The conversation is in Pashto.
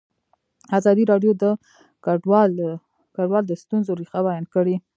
ازادي راډیو د کډوال د ستونزو رېښه بیان کړې.